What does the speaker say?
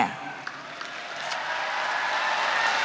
terus ada bu bintang buspayoga